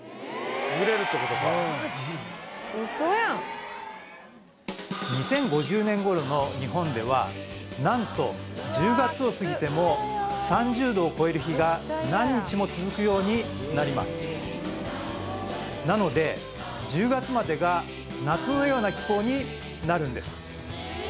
ズレるってことか２０５０年頃の日本では何と１０月を過ぎても３０度を超える日が何日も続くようになりますなので１０月までが夏のような気候になるんです